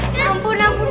ya ampun ampun